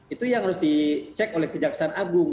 itu yang harus dicek oleh kejaksaan agung